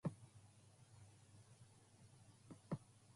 Walter Zeichner: Kleinwagen International, Motorbuch-Verlag.